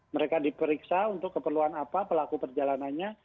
mereka diperiksa untuk keperluan apa pelaku perjalanannya